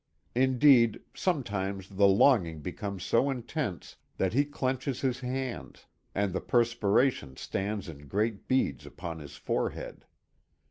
Indeed, sometimes the longing becomes so intense that he clenches his hands, and the perspiration stands in great beads upon his forehead.